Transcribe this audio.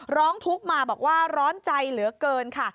ร้องทุกข์มาบอกว่าร้อนใจเหลือเกินค่ะ